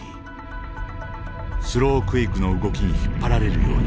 スロークエイクの動きに引っ張られるように。